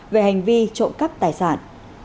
về hành vi trộm cắp tài sản